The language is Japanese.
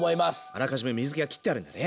あらかじめ水けは切ってあるんだね。